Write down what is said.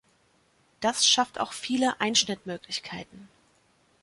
Das schafft auch viele Einschnittmöglichkeiten.